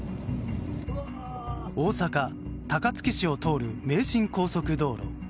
大阪・高槻市を通る名神高速道路。